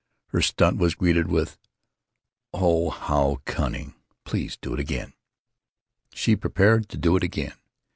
Her "stunt" was greeted with, "Oh, how cun ning! Please do it again!" She prepared to do it again.